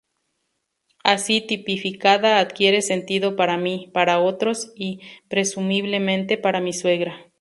Así tipificada adquiere sentido para mí, para otros y, presumiblemente, para mi suegra.